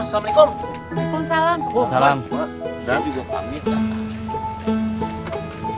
saya juga pamit